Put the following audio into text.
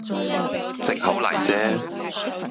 藉口嚟啫